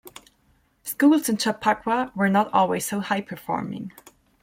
Schools in Chappaqua were not always so high-performing.